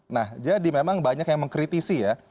nah jadi memang banyak yang mengkritisi ya